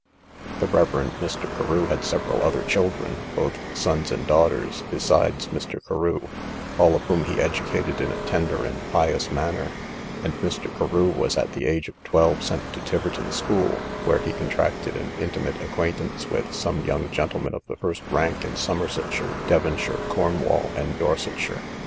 The reverend Mr. Carew had several other children, both sons and daughters, besides Mr. Carew, all of whom he educated in a tender and pious manner; and Mr. Carew was at the age of twelve sent to Tiverton school, where he contracted an intimate acquaintance with some young gentlemen of the first rank in Somersetshire, Devonshire, Cornwall, and Dorsetshire.